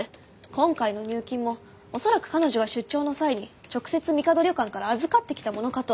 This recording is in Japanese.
今回の入金も恐らく彼女が出張の際に直接みかど旅館から預かってきたものかと。